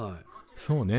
そうね。